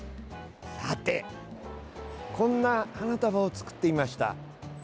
さて、こんな花束を作ってみました。